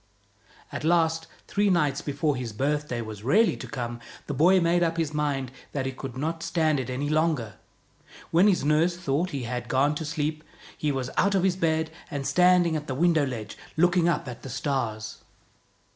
At last, three nights before his birthday was really to come, the boy made up his mind that he could not stand it any longer. When his nurse thought he had gone to sleep, he was out of his bed and standing at the window ledge, looking up at the stars.